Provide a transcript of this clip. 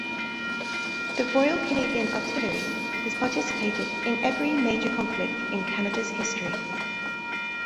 The Royal Canadian Artillery has participated in every major conflict in Canada's history.